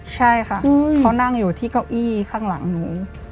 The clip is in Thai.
ใช่ค่ะเขานั่งอยู่ที่เก้าอี้ข้างหลังหนู